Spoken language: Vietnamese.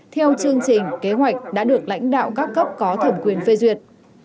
theo chương trình kế hoạch đã được lãnh đạo các cấp có thẩm quyền phê duyệt